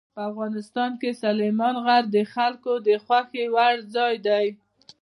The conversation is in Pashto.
په افغانستان کې سلیمان غر د خلکو د خوښې وړ ځای دی.